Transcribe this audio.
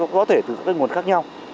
có thể từ các nguồn khác nhau